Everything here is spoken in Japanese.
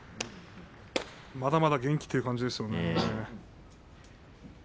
まだまだ元気という感じですね。